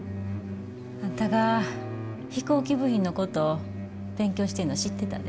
あんたが飛行機部品のこと勉強してんのは知ってたで。